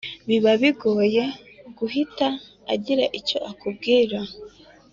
biba bigoye guhita agira icyo akubwira